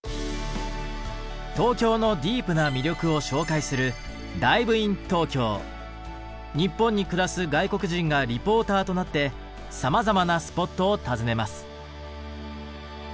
東京のディープな魅力を紹介する日本に暮らす外国人がリポーターとなってさまざまなスポットを訪ねます。